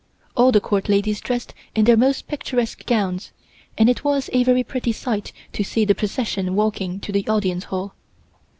All the Court ladies dressed in their most picturesque gowns and it was a very pretty sight to see the procession walking to the Audience Hall.